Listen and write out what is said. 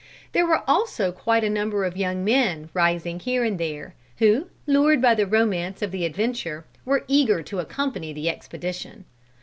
There were also quite a number of young men rising here and there, who, lured by the romance of the adventure, were eager to accompany the expedition.